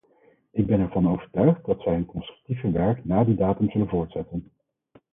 Ik ben ervan overtuigd dat zij hun constructieve werk na die datum zullen voortzetten.